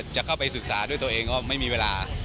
จะเข้าไปศึกษาด้วยตัวเองก็ไม่มีเวลา